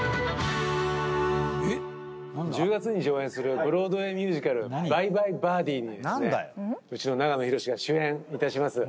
１０月に上演するブロードウェイ・ミュージカル『バイ・バイ・バーディー』にですねうちの長野博が主演いたします。